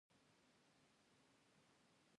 آیا کاناډا د انرژۍ اداره نلري؟